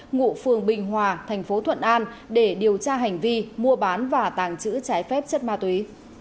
ngụ phường bình hòa thành phố thuận an để điều tra hành vi mua bán và tàng trữ trái phép chất ma túy